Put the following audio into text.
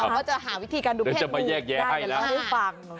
เราจะหาวิธีการดูเพศงูมได้แล้ว